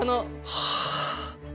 はあ。